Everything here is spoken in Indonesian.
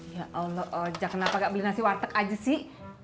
ya allah aja kenapa gak beli nasi warteg aja sih